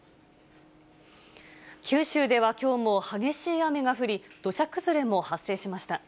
九州ではきょうも激しい雨が降り、土砂崩れも発生しました。